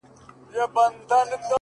څه رنګه سپوږمۍ ده له څراغه يې رڼا وړې”